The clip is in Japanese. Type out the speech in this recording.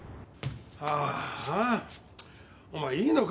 ああお前いいのか？